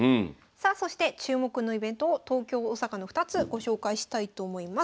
さあそして注目のイベントを東京大阪の２つご紹介したいと思います。